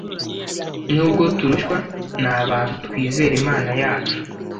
Nubwo turushywa ni abantu twizere Imana yacu